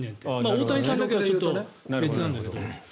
大谷さんだけはちょっと別なんだけど。